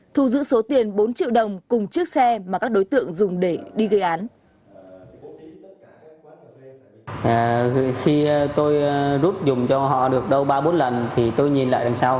thu giữ số tiền bốn triệu đồng cùng chiếc xe mà các đối tượng dùng